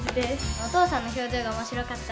お父さんの表情が面白かった。